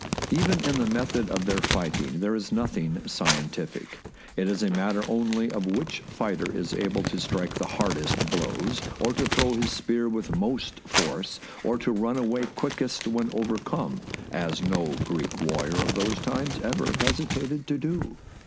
Even in the method of their fighting there is nothing scientific; it is a matter only of which fighter is able to strike the hardest blows, or to throw his spear with most force, or to run away quickest when overcome — as no Greek warrior of those times ever hesitated to do.